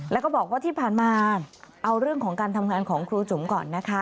แล้วก็บอกว่าที่ผ่านมาเอาเรื่องของการทำงานของครูจุ๋มก่อนนะคะ